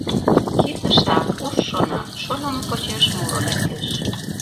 Кид ышта, уш шона, шонымо почеш муро лектеш.